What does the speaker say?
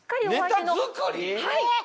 はい。